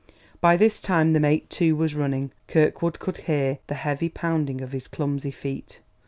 By this time the mate, too, was running; Kirkwood could hear the heavy pounding of his clumsy feet.